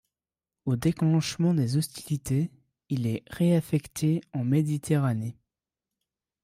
Au déclenchement des hostilités, il est réaffecté en Méditerranée.